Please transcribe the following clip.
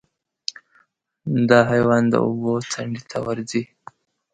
دا حیوان د اوبو څنډې ته ورځي.